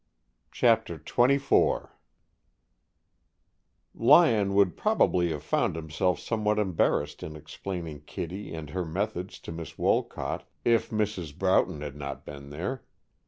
CHAPTER XXIV Lyon would probably have found himself somewhat embarrassed in explaining Kittie and her methods to Miss Wolcott if Mrs. Broughton had not been there.